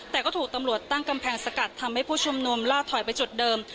แต่ก็ถูกตำรวจตั้งกำแพงสกัดทำให้ผู้ชุมนุมล่าถอยไปจุดเดิม